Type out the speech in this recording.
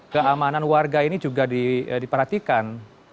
keamanan warga ini juga diperhatikan